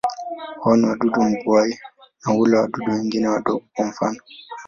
Wao ni wadudu mbuai na hula wadudu wengine wadogo, kwa mfano.